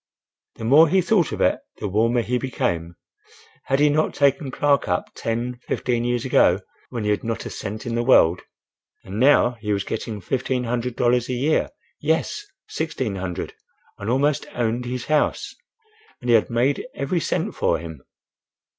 The more he thought of it, the warmer he became. "Had he not taken Clark up ten—fifteen years ago, when he had not a cent in the world, and now he was getting fifteen hundred dollars a year—yes, sixteen hundred, and almost owned his house; and he had made every cent for him!"